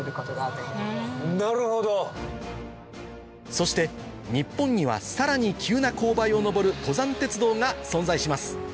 そして日本にはさらに急な勾配を上る登山鉄道が存在します